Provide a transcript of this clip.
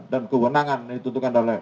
dan kewenangan yang ditentukan oleh